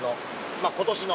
まあ今年の。